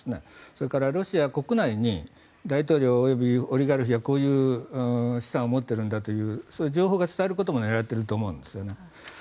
それからロシア国内に大統領及びオリガルヒがこういう資産を持っているんだという情報を伝えることも狙っていると思うんですね。